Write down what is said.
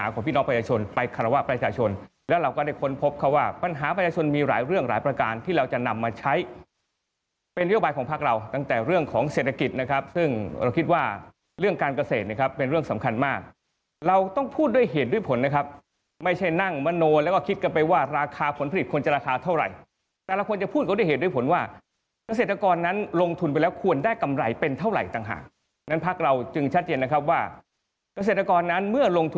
คิดว่าเรื่องการเกษตรนะครับเป็นเรื่องสำคัญมากเราต้องพูดด้วยเหตุด้วยผลนะครับไม่ใช่นั่งมโนแล้วก็คิดกันไปว่าราคาผลผลิตควรจะราคาเท่าไหร่แต่เราควรจะพูดก็ได้เหตุด้วยผลว่าเกษตรกรนั้นลงทุนไปแล้วควรได้กำไรเป็นเท่าไหร่ต่างหากนั้นพักเราจึงชัดเย็นนะครับว่าเกษตรกรนั้นเมื่อลงทุ